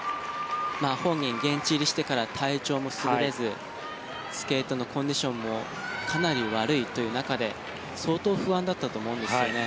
本人、現地入りしてから体調も優れずスケートのコンディションもかなり悪いという中で相当不安だったと思うんですよね。